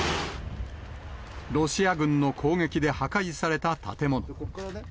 ロシア軍の攻撃で破壊された建物。